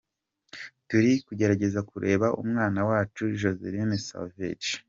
Turi kugerageza kureba umwana wacu Joycelyn Savage.